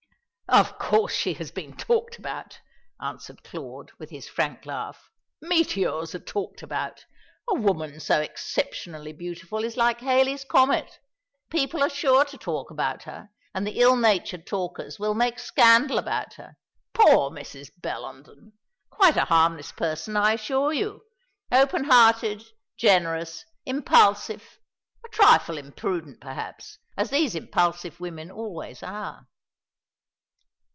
"Of course she has been talked about," answered Claude, with his frank laugh. "Meteors are talked about. A woman so exceptionally beautiful is like Halley's Comet. People are sure to talk about her; and the ill natured talkers will make scandal about her. Poor Mrs. Bellenden! Quite a harmless person, I assure you; open hearted, generous, impulsive a trifle imprudent, perhaps, as these impulsive women always are."